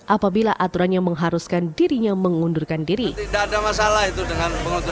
apabila menemukan kepentingan yang terjadi di nu